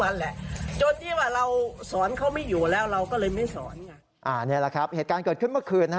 นี่แหละครับเหตุการณ์เกิดขึ้นเมื่อคืน